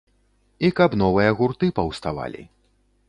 І каб новыя гурты паўставалі.